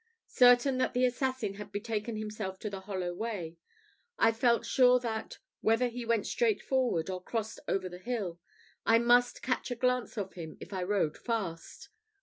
Certain that the assassin had betaken himself to the hollow way, I felt sure that, whether he went straight forward, or crossed over the hill, I must catch a glance of him if I rode fast.